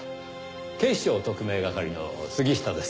警視庁特命係の杉下です。